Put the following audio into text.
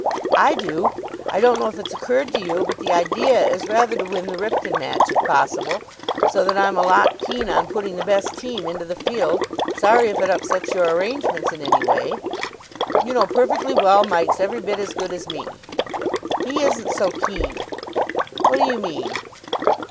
"I do. I don't know if it's occurred to you, but the idea is rather to win the Ripton match, if possible. So that I'm a lot keen on putting the best team into the field. Sorry if it upsets your arrangements in any way." "You know perfectly well Mike's every bit as good as me." "He isn't so keen." "What do you mean?"